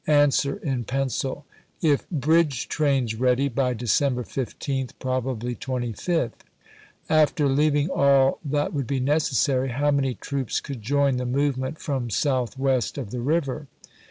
— [An swer, in pencil:] If bridge trains ready, by December 15th — probably 25th. After leaving all that would be necessary, how many troops could join the movement from southwest of the river?